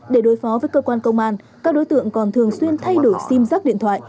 để đối phó với cơ quan công an các đối tượng còn thường xuyên thay đổi sim giác điện thoại